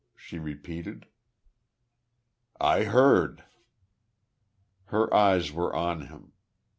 '" she repeated. "I heard." Her eyes were on him....